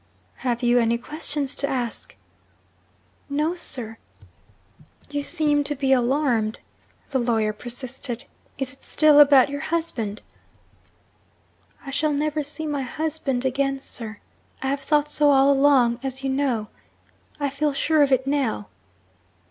'Have you any questions to ask?' 'No, sir.' 'You seem to be alarmed,' the lawyer persisted. 'Is it still about your husband?' 'I shall never see my husband again, sir. I have thought so all along, as you know. I feel sure of it now.'